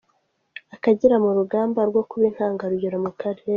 Akagera mu rugamba rwo kuba intangarugero mu Karere